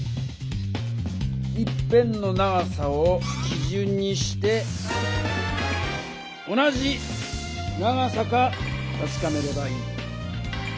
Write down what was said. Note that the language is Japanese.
一辺の長さをきじゅんにして同じ長さかたしかめればいい。